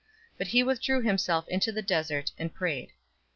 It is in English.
005:016 But he withdrew himself into the desert, and prayed.